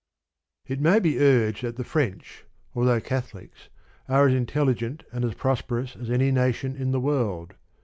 It may be urged that the French, although Catholics, are as intelligent and as prosperous as any nation in the world.